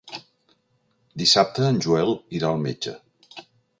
Dissabte en Joel irà al metge.